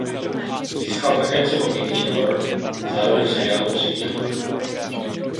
Získal také cenu Image Award za roli v seriálu "Třetí hlídka".